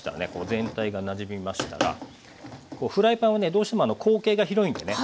全体がなじみましたらフライパンはねどうしても口径が広いんでね